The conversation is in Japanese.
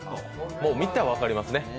もう見たら分かりますね。